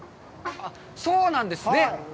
そうなんですね。